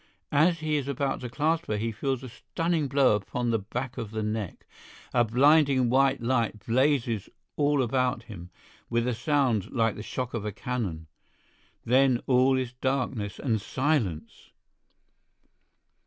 As he is about to clasp her he feels a stunning blow upon the back of the neck; a blinding white light blazes all about him with a sound like the shock of a cannon—then all is darkness and silence!